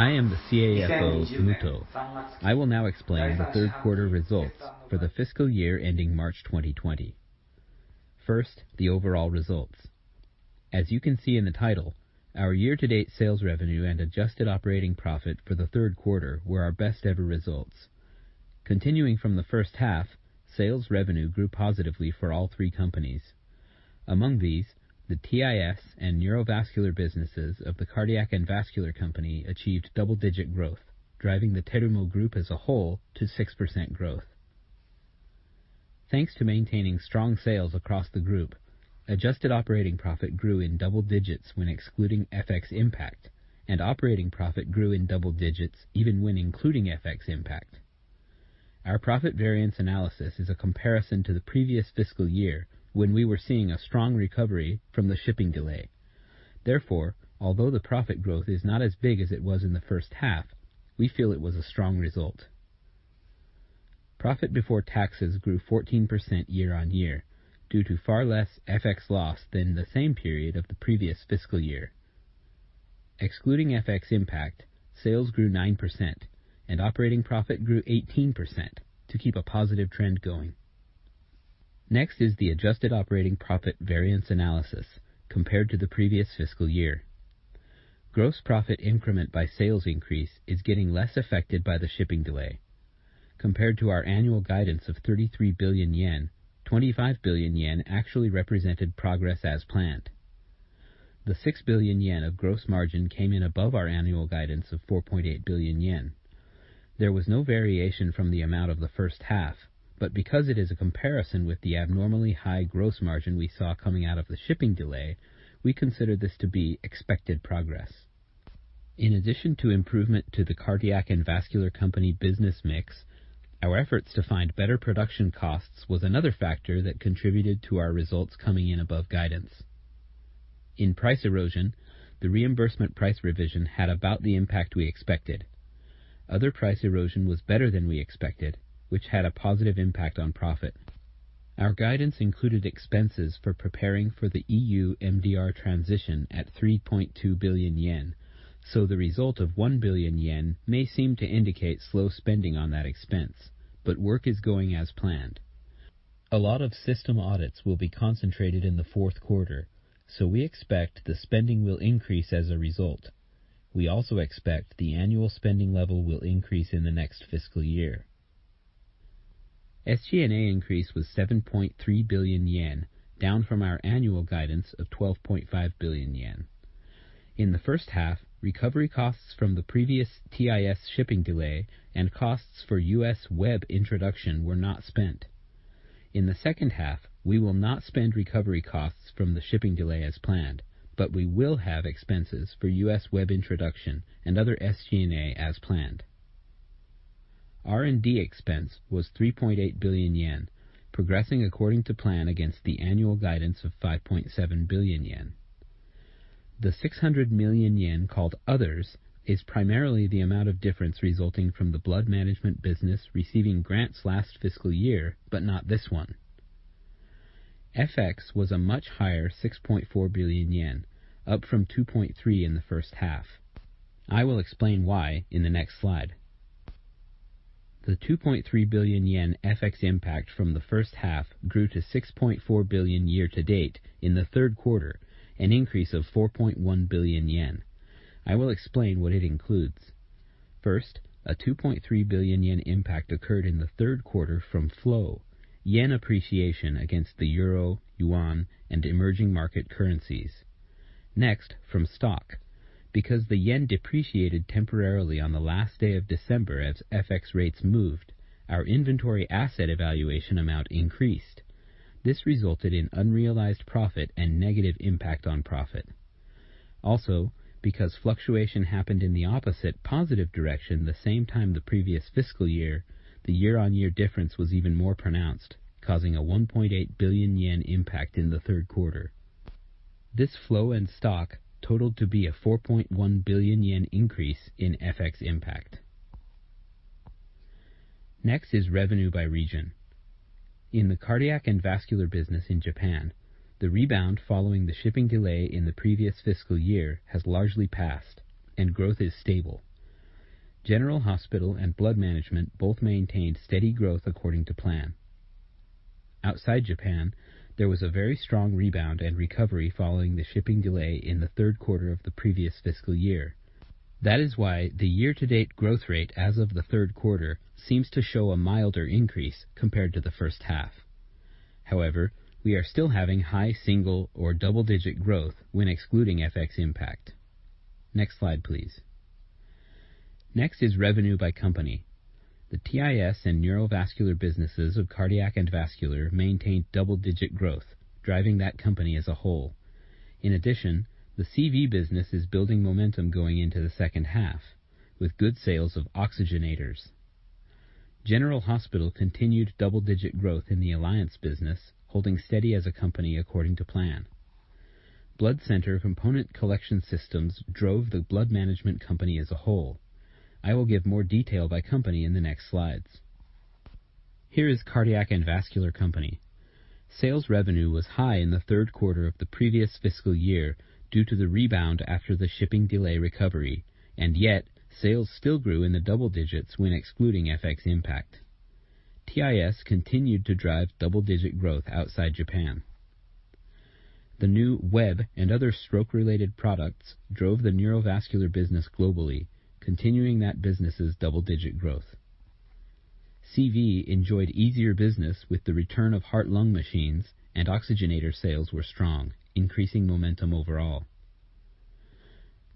I am the CAFO, Muto. I will now explain the third quarter results for the fiscal year ending March 2020. First, the overall results. As you can see in the title, our year-to-date sales revenue and adjusted operating profit for the third quarter were our best ever results. Continuing from the first half, sales revenue grew positively for all three companies. Among these, the TIS and Neurovascular businesses of the Cardiac and Vascular Company achieved double-digit growth, driving the Terumo Group as a whole to 6% growth. Thanks to maintaining strong sales across the Group, adjusted operating profit grew in double digits when excluding FX impact, and operating profit grew in double digits even when including FX impact. Our profit variance analysis is a comparison to the previous fiscal year, when we were seeing a strong recovery from the shipping delay. Therefore, although the profit growth is not as big as it was in the first half, we feel it was a strong result. Profit before taxes grew 14% year-on-year due to far less FX loss than the same period of the previous fiscal year. Excluding FX impact, sales grew 9% and operating profit grew 18% to keep a positive trend going. Next is the adjusted operating profit variance analysis compared to the previous fiscal year. Gross profit increment by sales increase is getting less affected by the shipping delay. Compared to our annual guidance of 33 billion yen, 25 billion yen actually represented progress as planned. The 6 billion yen of gross margin came in above our annual guidance of 4.8 billion yen. There was no variation from the amount of the first half, but because it is a comparison with the abnormally high gross margin we saw coming out of the shipping delay, we consider this to be expected progress. In addition to improvement to the Cardiac and Vascular Company business mix, our efforts to find better production costs was another factor that contributed to our results coming in above guidance. In price erosion, the reimbursement price revision had about the impact we expected. Other price erosion was better than we expected, which had a positive impact on profit. Our guidance included expenses for preparing for the EU MDR transition at 3.2 billion yen, so the result of 1 billion yen may seem to indicate slow spending on that expense, but work is going as planned. A lot of system audits will be concentrated in the fourth quarter. We expect the spending will increase as a result. We also expect the annual spending level will increase in the next fiscal year. SG&A increase was 7.3 billion yen, down from our annual guidance of 12.5 billion yen. In the first half, recovery costs from the previous TIS shipping delay and costs for U.S. WEB introduction were not spent. In the second half, we will not spend recovery costs from the shipping delay as planned, but we will have expenses for U.S. WEB introduction and other SG&A as planned. R&D expense was 3.8 billion yen, progressing according to plan against the annual guidance of 5.7 billion yen. The 600 million yen called Others is primarily the amount of difference resulting from the blood management business receiving grants last fiscal year, but not this one. FX was a much higher 6.4 billion yen, up from 2.3 billion in the first half. I will explain why in the next slide. The 2.3 billion yen FX impact from the first half grew to 6.4 billion year-to-date in the third quarter, an increase of 4.1 billion yen. I will explain what it includes. First, a 2.3 billion yen impact occurred in the third quarter from flow, yen appreciation against the EUR, CNY, and emerging market currencies. Next, from stock. The yen depreciated temporarily on the last day of December as FX rates moved, our inventory asset evaluation amount increased. This resulted in unrealized profit and negative impact on profit. Fluctuation happened in the opposite positive direction the same time the previous fiscal year, the year-on-year difference was even more pronounced, causing a 1.8 billion yen impact in the third quarter. This flow and stock totaled to be a 4.1 billion yen increase in FX impact. Next is revenue by region. In the Cardiac and Vascular business in Japan, the rebound following the shipping delay in the previous fiscal year has largely passed and growth is stable. General Hospital and Blood Management both maintained steady growth according to plan. Outside Japan, there was a very strong rebound and recovery following the shipping delay in the third quarter of the previous fiscal year. That is why the year-to-date growth rate as of the third quarter seems to show a milder increase compared to the first half. However, we are still having high single or double-digit growth when excluding FX impact. Next slide, please. Next is revenue by company. The TIS and Neurovascular businesses of Cardiac and Vascular maintained double-digit growth, driving that company as a whole. In addition, the CV business is building momentum going into the second half, with good sales of oxygenators. General Hospital continued double-digit growth in the alliance business, holding steady as a company according to plan. Blood Center component collection systems drove the Blood Management Company as a whole. I will give more detail by company in the next slides. Here is Cardiac and Vascular Company. Sales revenue was high in the third quarter of the previous fiscal year due to the rebound after the shipping delay recovery, and yet sales still grew in the double digits when excluding FX impact. TIS continued to drive double-digit growth outside Japan. The new WEB and other stroke-related products drove the Neurovascular business globally, continuing that business's double-digit growth. CV enjoyed easier business with the return of heart-lung machines, and oxygenator sales were strong, increasing momentum overall.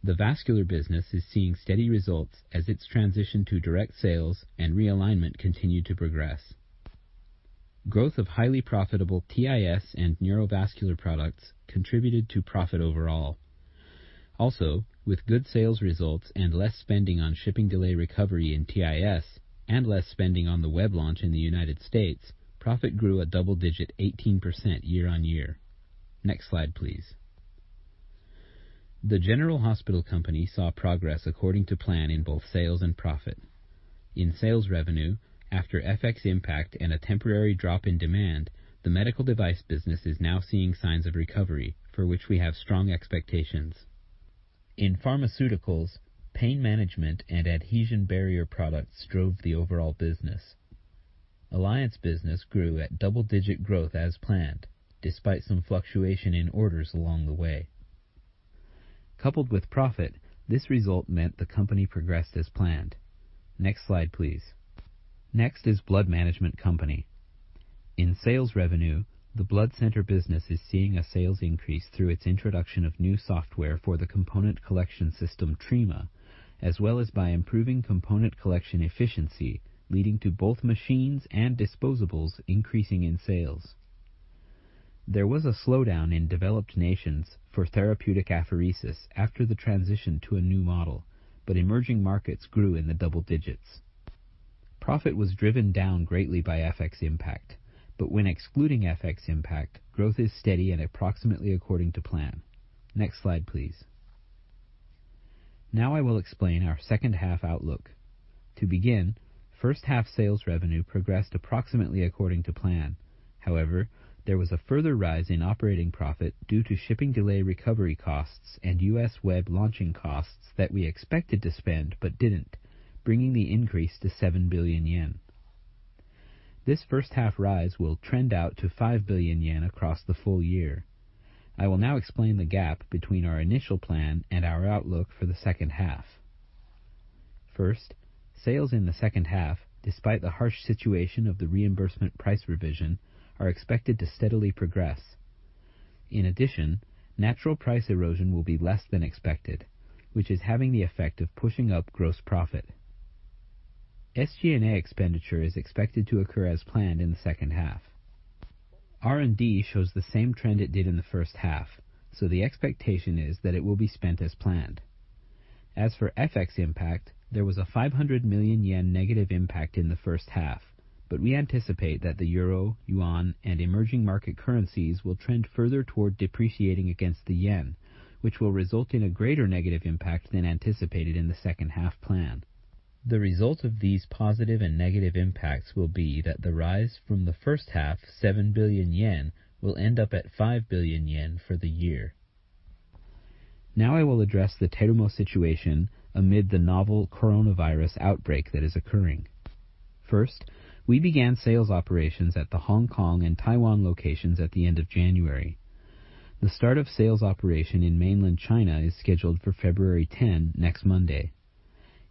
The vascular business is seeing steady results as its transition to direct sales and realignment continue to progress. Growth of highly profitable TIS and Neurovascular products contributed to profit overall. With good sales results and less spending on shipping delay recovery in TIS, and less spending on the WEB launch in the U.S., profit grew a double-digit 18% year-on-year. Next slide, please. The General Hospital Company saw progress according to plan in both sales and profit. In sales revenue, after FX impact and a temporary drop in demand, the medical device business is now seeing signs of recovery, for which we have strong expectations. In pharmaceuticals, pain management and adhesion barrier products drove the overall business. Alliance business grew at double-digit growth as planned, despite some fluctuation in orders along the way. Coupled with profit, this result meant the company progressed as planned. Next slide, please. Next is Blood Management Company. In sales revenue, the blood center business is seeing a sales increase through its introduction of new software for the component collection system, Trima, as well as by improving component collection efficiency, leading to both machines and disposables increasing in sales. There was a slowdown in developed nations for therapeutic apheresis after the transition to a new model, but emerging markets grew in the double digits. Profit was driven down greatly by FX impact, but when excluding FX impact, growth is steady and approximately according to plan. Next slide, please. I will explain our second half outlook. To begin, first-half sales revenue progressed approximately according to plan. There was a further rise in operating profit due to shipping delay recovery costs and U.S. WEB launching costs that we expected to spend but didn't, bringing the increase to 7 billion yen. This first-half rise will trend out to 5 billion yen across the full year. I will now explain the gap between our initial plan and our outlook for the second half. First, sales in the second half, despite the harsh situation of the reimbursement price revision, are expected to steadily progress. In addition, natural price erosion will be less than expected, which is having the effect of pushing up gross profit. SG&A expenditure is expected to occur as planned in the second half. R&D shows the same trend it did in the first half, so the expectation is that it will be spent as planned. As for FX impact, there was a 500 million yen negative impact in the first half. We anticipate that the euro, yuan, and emerging market currencies will trend further toward depreciating against the yen, which will result in a greater negative impact than anticipated in the second half plan. The result of these positive and negative impacts will be that the rise from the first half, 7 billion yen, will end up at 5 billion yen for the year. Now I will address the Terumo situation amid the novel coronavirus outbreak that is occurring. First, we began sales operations at the Hong Kong and Taiwan locations at the end of January. The start of sales operation in mainland China is scheduled for February 10, next Monday.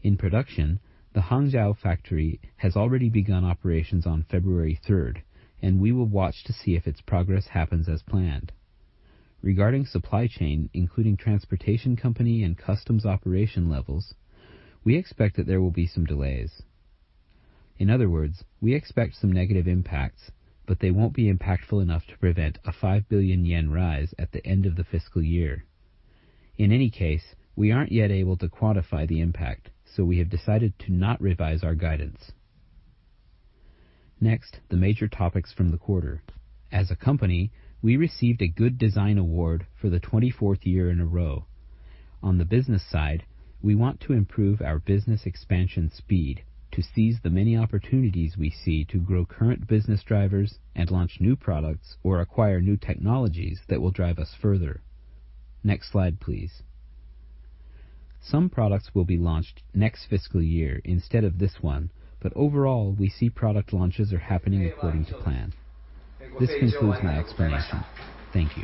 In production, the Hangzhou factory has already begun operations on February 3rd. We will watch to see if its progress happens as planned. Regarding supply chain, including transportation company and customs operation levels, we expect that there will be some delays. In other words, we expect some negative impacts, but they won't be impactful enough to prevent a 5 billion yen rise at the end of the fiscal year. In any case, we aren't yet able to quantify the impact, so we have decided to not revise our guidance. Next, the major topics from the quarter. As a company, we received a Good Design Award for the 24th year in a row. On the business side, we want to improve our business expansion speed to seize the many opportunities we see to grow current business drivers and launch new products or acquire new technologies that will drive us further. Next slide, please. Some products will be launched next fiscal year instead of this one, but overall, we see product launches are happening according to plan. This concludes my explanation. Thank you.